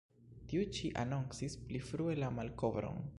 Tiu-ĉi anoncis pli frue la malkovron.